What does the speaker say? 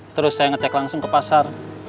terus saya ngecek langsung ke pasar